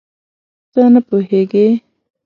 ته نه پوهېږې؟